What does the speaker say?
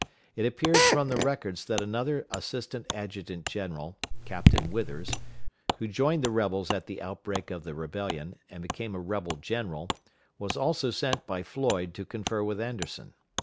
It appears from the records that another assistant adjutant general, Captain Withers, who joined the rebels at the outbreak of the rebellion, and became a rebel general, was also sent by Floyd to confer with Anderson.